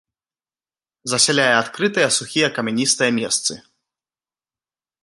Засяляе адкрытыя сухія камяністыя месцы.